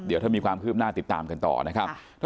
เดี๋ยวถ้ามีความคืบหน้าติดตามกันต่อนะครับ